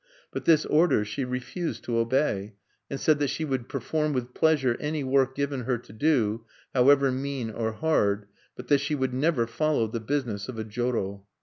But this order she refused to obey, and said that she would perform with pleasure any work given her to do, however mean or hard, but that she would never follow the business of a joro.